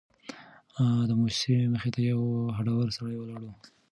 د موسسې مخې ته یو هډور سړی ولاړ و.